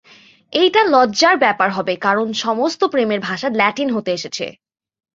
এটা লজ্জার ব্যাপার হবে কারন সমস্ত প্রেমের ভাষা ল্যাটিন হতে এসেছে।